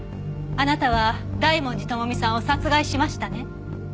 あなたは大文字智美さんを殺害しましたね？